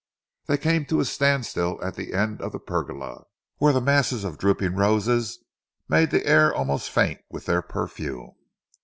They came to a standstill at the end of the pergola, where the masses of drooping roses made the air almost faint with their perfume.